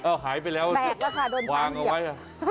อ้าวหายไปแล้ววางออกไป